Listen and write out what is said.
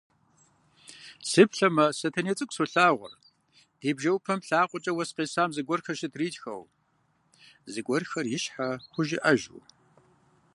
Сыплъэмэ, Сэтэней цӏыкӏу солагъур, ди бжэӏупэм лъакъуэкӏэ уэс къесам зыгуэрхэр щытритхэу, зыгуэрхэр ищхьэ хужиӏэжу.